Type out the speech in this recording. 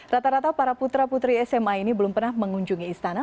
rata rata para putra putri sma ini belum pernah mengunjungi istana